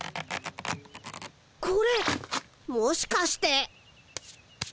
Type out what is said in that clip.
これもしかして。